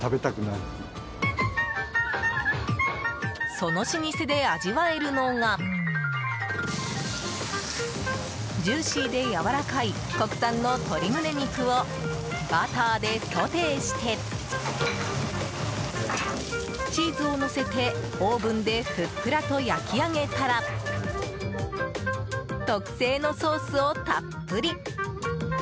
その老舗で味わえるのがジューシーでやわらかい国産の鶏胸肉をバターでソテーしてチーズをのせて、オーブンでふっくらと焼き上げたら特製のソースをたっぷり。